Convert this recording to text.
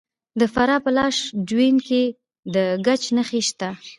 د فراه په لاش او جوین کې د ګچ نښې شته.